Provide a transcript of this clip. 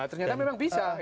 nah ternyata memang bisa